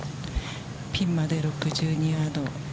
ピンまで６２ヤード。